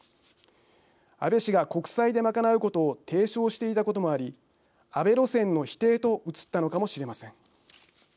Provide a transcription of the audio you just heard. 安倍氏が国債で賄うことを提唱していたこともあり安倍路線の否定と映ったのかもしれません。